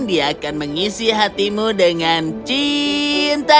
dia akan mengisi hatimu dengan cinta